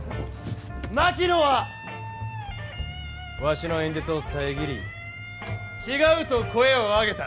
槙野はわしの演説を遮り「違う」と声を上げた。